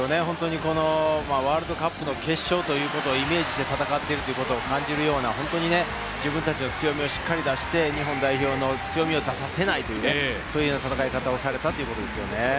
ワールドカップの決勝ということをイメージして戦っていることを感じるような、自分達の強みをしっかり出して日本代表の強みを出させないという、そういう戦い方をされたということですね。